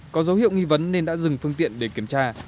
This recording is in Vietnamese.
có dấu hiệu nghi vấn nên đã dừng phương tiện để kiểm tra